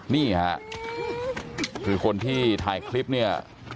นี่ค่ะคือคนที่ถ่ายคลิปเนี่ย